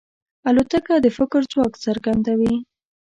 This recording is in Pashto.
الوتکه د فکر ځواک څرګندوي.